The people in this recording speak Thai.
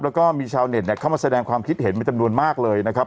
แล้วก็มีชาวเน็ตเข้ามาแสดงความคิดเห็นเป็นจำนวนมากเลยนะครับ